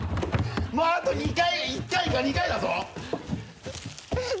もうあと２回１回か２回だぞ。